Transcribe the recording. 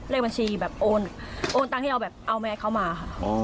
เลขบัญชีแบบโอนตังค์ที่เอาแมสเขามาค่ะ